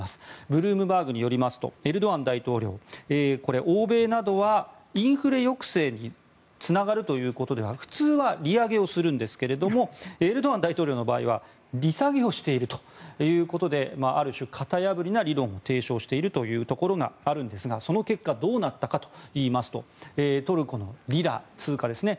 ブルームバーグによりますとエルドアン大統領欧米などはインフレ抑制につながるということでは普通は利上げをするんですがエルドアン大統領の場合は利下げをしているということである種、型破りな理論を提唱しているところがあるんですがその結果どうなったかといいますとトルコのリラ、通貨ですね